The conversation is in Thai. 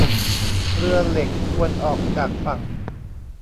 เรือเหล็กควรออกจากฝั่ง